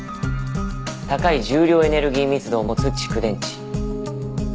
高い重量エネルギー密度を持つ蓄電池。